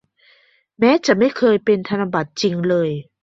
แม้จะไม่เคยเป็นธนบัตรจริงเลย